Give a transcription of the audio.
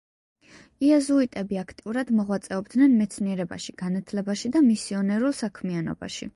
იეზუიტები აქტიურად მოღვაწეობდნენ მეცნიერებაში, განათლებაში და მისიონერულ საქმიანობაში.